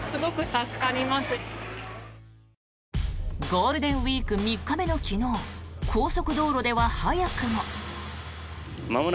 ゴールデンウィーク３日目の昨日高速道路では早くも。